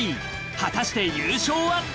果たして優勝は？